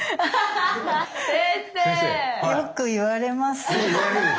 よく言われます。